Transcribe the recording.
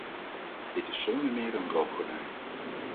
Dit is zonder meer een rookgordijn.